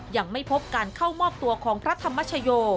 ยังไม่พบการเข้ามอบตัวของพระธรรมชโย